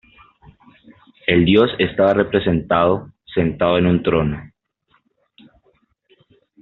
El dios estaba representado sentado en un trono.